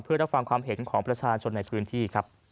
เพื่อรักษาความเห็นของประชาชนในพื้นที่